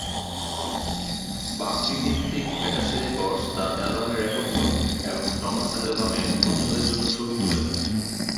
বার্কলি-ভিত্তিক Fantasy Records তার অ্যালবামের record করে, এবং টমাস অ্যালবামের প্রচ্ছদের জন্য ছবি তুলে দেন।